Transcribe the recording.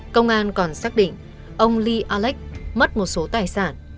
công an còn xác định ông lee alex mất một số tài sản